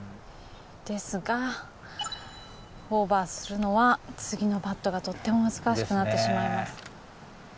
ですがオーバーするのは次のパットがとっても難しくなってしまいます。